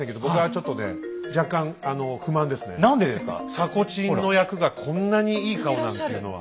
迫ちんの役がこんなにいい顔なんていうのは。